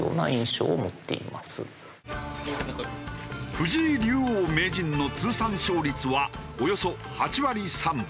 藤井竜王・名人の通算勝率はおよそ８割３分。